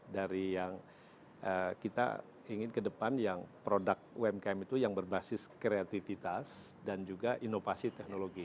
dari yang kita ingin ke depan yang produk umkm itu yang berbasis kreativitas dan juga inovasi teknologi